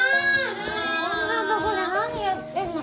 もうこんなとこで何やってんの。